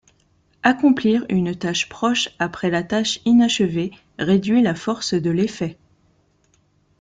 Accomplir une tâche proche après la tâche inachevée réduit la force de l'effet.